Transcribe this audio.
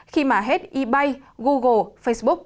khi mà hết ebay google facebook